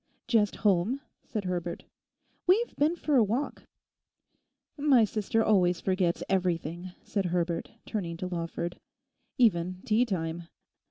'Just home?' said Herbert. 'We've been for a walk—' 'My sister always forgets everything,' said Herbert, turning to Lawford; 'even tea time.